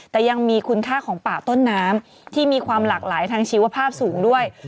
แต่ยังมีคุณค่าของป่าต้นน้ำที่มีความหลากหลายทางชีวภาพสูงด้วย